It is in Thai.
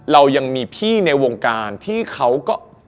เรายังมีพี่ในวงการที่เขาก็